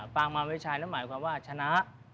ปางมาวิชัยนั้นหมายความว่าชนะ